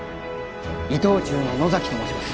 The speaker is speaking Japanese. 伊藤忠の野崎と申します。